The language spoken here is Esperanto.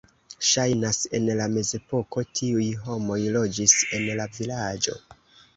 Ŝajnas, en la mezepoko tiuj homoj loĝis en la vilaĝo.